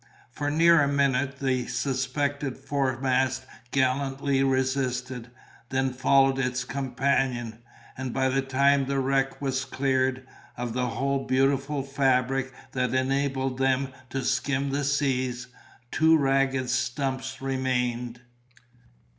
For near a minute the suspected foremast gallantly resisted; then followed its companion; and by the time the wreck was cleared, of the whole beautiful fabric that enabled them to skim the seas, two ragged stumps remained.